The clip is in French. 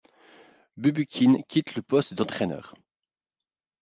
Bubukin quitte le poste d’entraîneur.